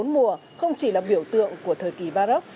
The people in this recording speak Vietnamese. bốn mùa không chỉ là biểu tượng của thời kỳ baroque